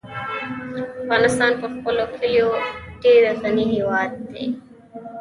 افغانستان په خپلو کلیو ډېر غني هېواد دی.